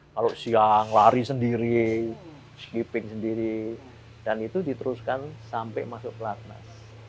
kalau siang lari sendiri skipping sendiri dan itu diteruskan sampai masuk pelatnas